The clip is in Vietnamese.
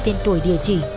tên tuổi địa chỉ